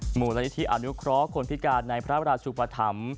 มูลนิธิอนุเคราะห์คนพิการในพระราชุปธรรม